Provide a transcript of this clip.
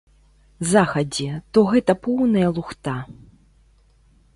Захадзе, то гэта поўная лухта.